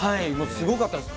すごかったです。